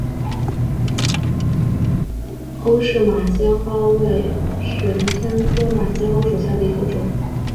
欧氏马先蒿为玄参科马先蒿属下的一个种。